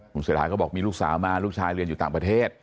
คุณเศรษฐาก็บอกมีลูกสาวมาลูกชายเรียนอยู่ต่างประเทศ